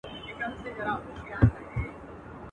که هر څو مره ذخیره کړې دینارونه سره مهرونه.